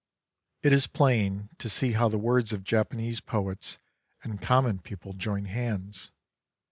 It is plain to see how the words of Japanese poets and common people join hands.